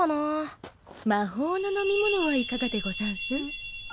魔法の飲み物はいかがでござんす？